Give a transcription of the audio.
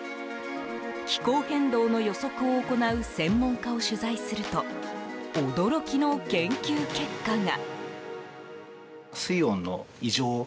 気候変動の予測を行う専門家を取材すると驚きの研究結果が。